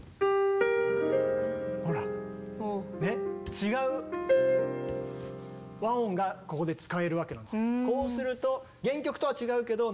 違う和音がここで使えるわけなんですよ。